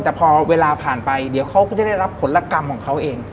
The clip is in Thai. แต่พอเวลาผ่านไปเดี๋ยวเขาก็จะได้รับผลกรรมของเขาเอง